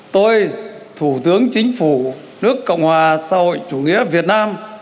tôi thủ tướng chính phủ nước cộng hòa xã hội chủ nghĩa việt nam